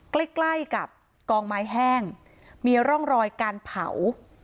ใกล้ใกล้กับกองไม้แห้งมีร่องรอยการเผา